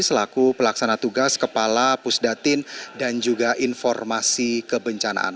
selaku pelaksana tugas kepala pusdatin dan juga informasi kebencanaan